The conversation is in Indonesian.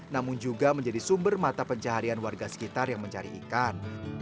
namun juga menjadi sumber mata pencaharian warga sekitar yang mencari ikan